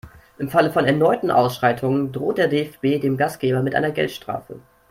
Im Falle von erneuten Ausschreitungen droht der DFB dem Gastgeber mit einer Geldstrafe.